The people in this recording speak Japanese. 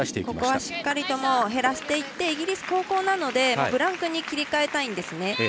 ここはしっかりと減らしていってイギリスは後攻なのでブランクに切り替えたいんですね。